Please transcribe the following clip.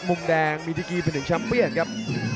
มุมแดงมิดิกีเป็นถึงชัมเปียนครับ